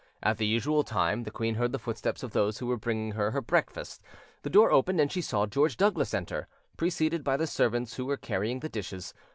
At the usual time the queen heard the footsteps of those who were bringing her her breakfast; the door opened, and she saw George Douglas enter, preceded by the servants who were carrying the dishes.